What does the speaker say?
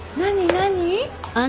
何？